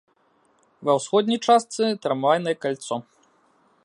Ва ўсходняй частцы трамвайнае кальцо.